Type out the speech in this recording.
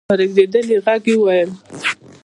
په رېږدېدلې غږ يې وويل: